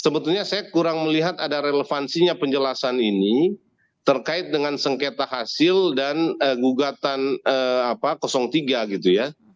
sebetulnya saya kurang melihat ada relevansinya penjelasan ini terkait dengan sengketa hasil dan gugatan tiga gitu ya